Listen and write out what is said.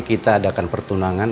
kita adakan pertunangan